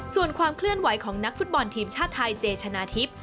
ส่วนความเคลื่อนไหวของนักฟุตบอลทีมชาติไทยเจชนะทิพย์